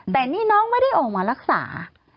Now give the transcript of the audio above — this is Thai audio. แต่นี่น้องไม่ได้ออกมารักษา